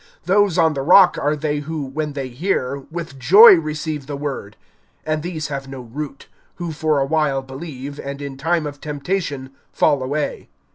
(13)Those on the rock are they who, when they hear, with joy receive the word; and these have no root, who for a while believe, and in time of temptation fall away.